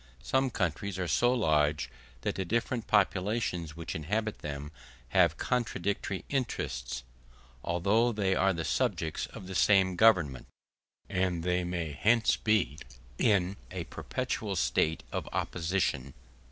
Some countries are so large that the different populations which inhabit them have contradictory interests, although they are the subjects of the same Government, and they may thence be in a perpetual state of opposition.